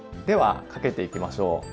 ではかけていきましょう。